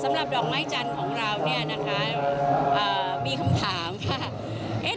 สำหรับดอกไม้จันทร์ของเราเนี่ยนะคะมีคำถามได้